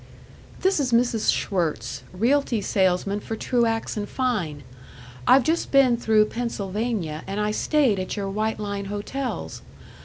"This is Mrs. Schwirtz, realty salesman for Truax & Fein. I've just been through Pennsylvania, and I stayed at your White Line Hotels.